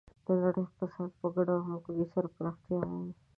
د نړۍ اقتصاد په ګډه او همغږي سره پراختیا مومي.